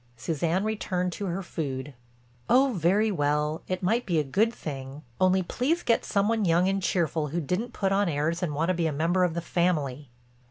Suzanne returned to her food. "Oh, very well, it might be a good thing, only please get some one young and cheerful who didn't put on airs and want to be a member of the family."